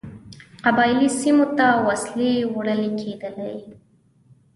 قبایلي سیمو ته وسلې وړلې کېدلې.